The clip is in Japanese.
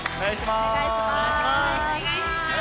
お願いします！